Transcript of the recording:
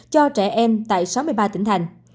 cho trẻ em tại sáu mươi ba tỉnh thành